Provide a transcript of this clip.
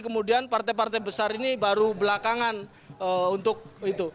kemudian partai partai besar ini baru belakangan untuk itu